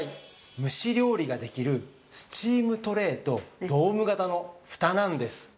蒸し料理ができるスチームトレーとドーム型のふたなんです。